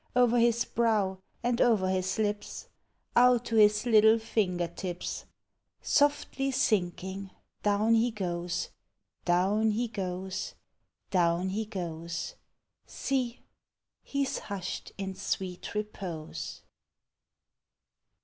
Over his brow and over his lips, Out to his little finger tips! Softly sinking, down he goes! Down he goes! down he goes! See ! he 's hushed in sweet repose